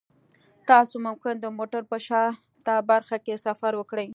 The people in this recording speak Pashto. تاسو ممکن د موټر په شاته برخه کې سفر وکړئ